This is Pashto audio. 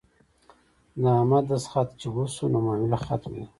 د احمد دستخط چې وشو نو معامله ختمه ده.